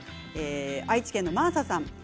愛知県の方です。